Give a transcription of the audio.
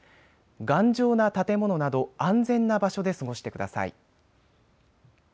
頑丈な建物など安全な場所で過ごしてください。